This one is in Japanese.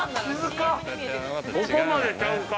このままちゃうか。